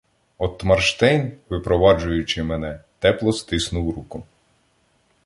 Отмарштейн, випроваджуючи мене, тепло стиснув руку.